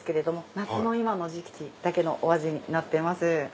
夏の今の時期だけのお味になっています。